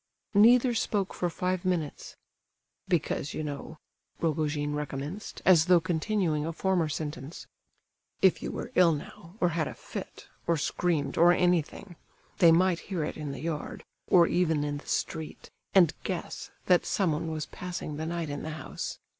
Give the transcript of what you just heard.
Neither spoke for five minutes. "Because, you know," Rogojin recommenced, as though continuing a former sentence, "if you were ill now, or had a fit, or screamed, or anything, they might hear it in the yard, or even in the street, and guess that someone was passing the night in the house.